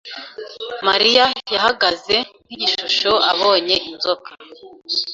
Mariya yahagaze nk'igishusho abonye inzoka.